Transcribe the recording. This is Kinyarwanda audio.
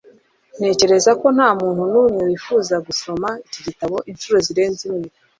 Ntekereza ko ntamuntu numwe wifuza gusoma iki gitabo inshuro zirenze imwe